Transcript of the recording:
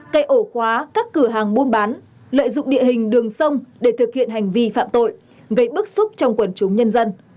cây ổ khóa các cửa hàng buôn bán lợi dụng địa hình đường sông để thực hiện hành vi phạm tội gây bức xúc trong quần chúng nhân dân